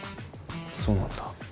そうなんだ。